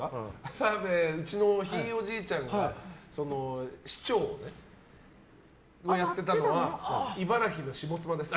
澤部、うちのひいおじいちゃんが市長をやってたのは茨城の下妻です。